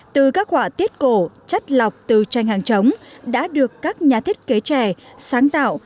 từ các họa tiết cổ chất lọc từ tranh hàng chống đã được các nhà thiết kế trẻ sáng tạo